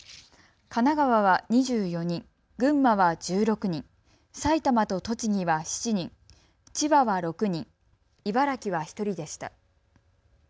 神奈川は２４人、群馬は１６人、埼玉と栃木は７人、千葉は６人、茨城は１人でした。